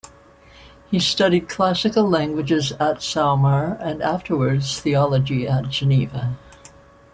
He studied classical languages at Saumur and afterwards theology at Geneva.